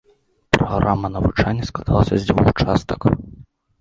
Праграма навучання складалася з дзвюх частак.